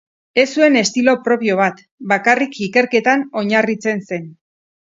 Ez zuen estilo propio bat, bakarrik ikerketan oinarritzen zen.